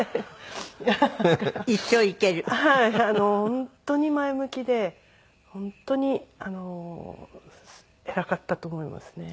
本当に前向きで本当に偉かったと思いますね。